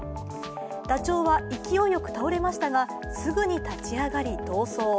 ダチョウは勢いよく倒れましたがすぐに立ち上がり、逃走。